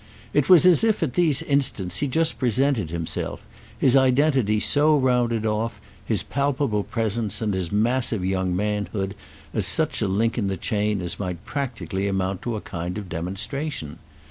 It was as if at these instants he just presented himself, his identity so rounded off, his palpable presence and his massive young manhood, as such a link in the chain as might practically amount to a kind of demonstration.